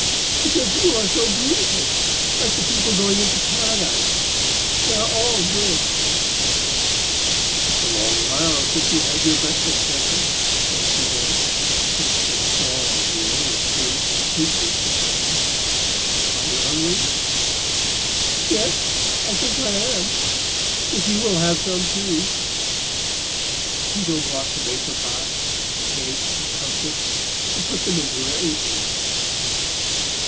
"Because you are so beautiful—like the people going into Paradise: they are all good." "It is a long while since you had your breakfast, Tessa," said Tito, seeing some stalls near, with fruit and sweetmeats upon them. "Are you hungry?" "Yes, I think I am—if you will have some too." Tito bought some apricots, and cakes, and comfits, and put them into her apron.